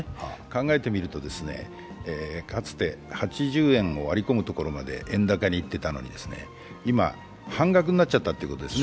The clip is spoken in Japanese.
考えてみるとかつて８０円を割り込むまで円高になっていたのに今、半額になっちゃったということです。